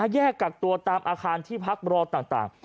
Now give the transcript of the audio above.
แยกกักตัวตามอาคารที่พักรอต่าง